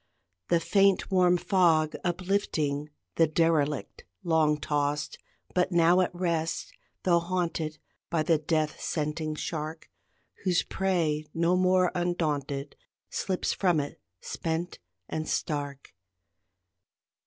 The faint warm fog unlifting, The derelict long tossed, But now at rest tho haunted By the death scenting shark, Whose prey no more undaunted Slips from it, spent and stark.